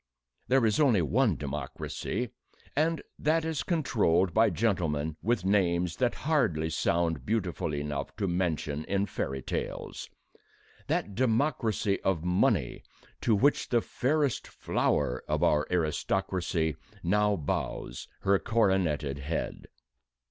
There is only one democracy, and that is controlled by gentlemen with names that hardly sound beautiful enough to mention in fairy tales that democracy of money to which the fairest flower of our aristocracy now bows her coroneted head.